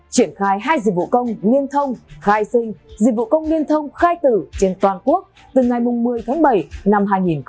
triển khai hai dịch vụ công nghiên thông khai sinh dịch vụ công nghiên thông khai tử trên toàn quốc từ ngày một mươi tháng bảy năm hai nghìn hai mươi